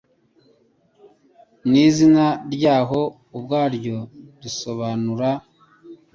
n'izina ryaho ubwaryo risobanura